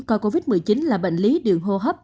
coi covid một mươi chín là bệnh lý đường hô hấp